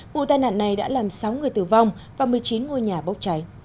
vụ tai nạn này đã làm sáu người tử vong và một mươi chín ngôi nhà bốc cháy